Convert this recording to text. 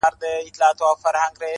زه له توره بخته د توبې غیرت نیولی وم؛